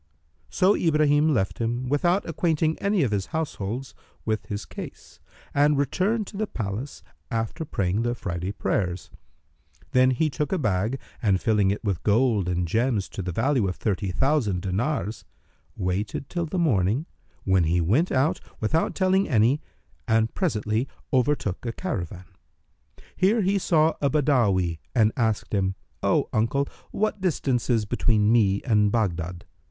So Ibrahim left him without acquainting any of his household with his case, and returned to the palace, after praying the Friday prayers. Then he took a bag and filling it with gold and gems to the value of thirty thousand dinars, waited till the morning, when he went out, without telling any, and presently overtook a caravan. Here he saw a Badawi and asked him, "O uncle, what distance is between me and Baghdad?"